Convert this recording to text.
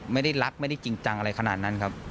ไม่ได้รักไม่ได้จริงจังอะไรขนาดนั้นครับ